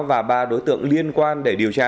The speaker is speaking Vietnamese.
và ba đối tượng liên quan để điều tra